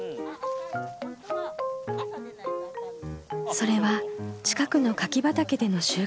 それは近くの柿畑での収穫。